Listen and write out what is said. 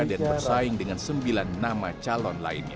dan bersaing dengan sembilan nama calon lainnya